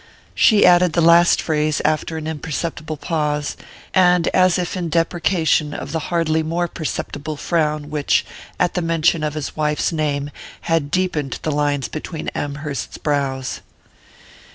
She added the last phrase after an imperceptible pause, and as if in deprecation of the hardly more perceptible frown which, at the mention of his wife's name, had deepened the lines between Amherst's brows.